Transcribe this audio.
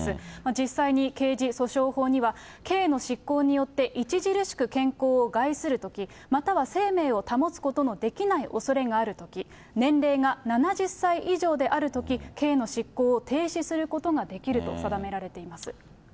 実際に刑事訴訟法には、刑の執行によって著しく健康を害するとき、または生命を保つことのできないおそれがあるとき、年齢が７０歳以上であるとき、刑の執行を停止することができると定められています。